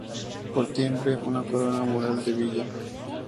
Por timbre, una corona mural de villa.